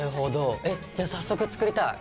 えじゃ早速作りたい！